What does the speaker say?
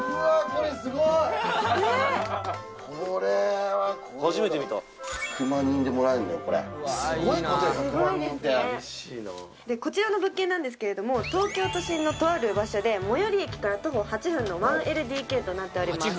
これすごいことよ１００万人ってこちらの物件なんですけれども東京都心のとある場所で最寄り駅から徒歩８分の１ＬＤＫとなっております